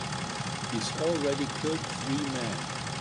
He's already killed three men.